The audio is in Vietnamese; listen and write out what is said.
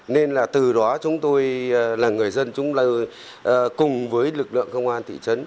nên là từ đó chúng tôi là người dân chúng tôi cùng với lực lượng công an thị trấn